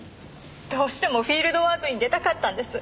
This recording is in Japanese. どうしてもフィールドワークに出たかったんです。